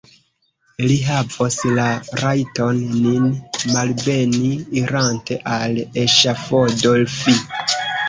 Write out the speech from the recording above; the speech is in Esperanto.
Li havos la rajton nin malbeni, irante al eŝafodo: fi!